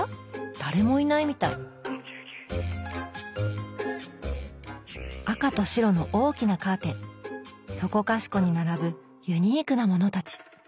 誰もいないみたい赤と白の大きなカーテンそこかしこに並ぶユニークなものたち。